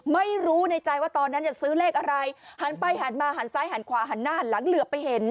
ไม่รู้ในใจว่าตอนนั้นจะซื้อเลขอะไรหันไปหันมาหันซ้ายหันขวาหันหน้าหันหลังเหลือไปเห็น